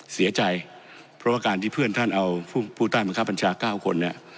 เสียใจเพราะว่าการที่เพื่อนท่านเอาผู้ผู้ต้านบัญชาการเก้าคนเนี้ย